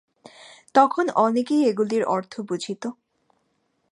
তখন অনেকেই এগুলির অর্থ বুঝিত।